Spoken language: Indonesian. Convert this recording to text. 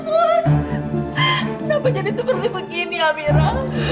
kenapa jadi seperti begini amira